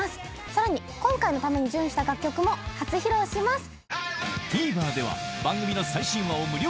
さらに今回のために準備した楽曲も初披露します。